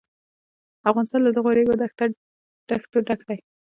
افغانستان له دغو ریګ دښتو ډک دی.